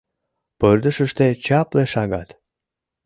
Пырдыжыште чапле шагат.